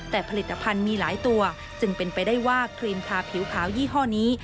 แต่ผลิตภัณฑ์มีหลายตัวจึงเป็นไปได้ว่าครีมทาผิวขาวยี่ห้อนี้